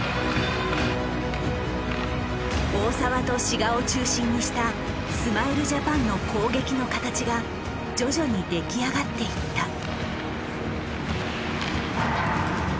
大澤と志賀を中心にしたスマイルジャパンの攻撃の形が徐々に出来上がっていった。